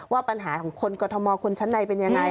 ว่าปัญหาของคนกฎมอลคนชั้นในเป็นอย่างไร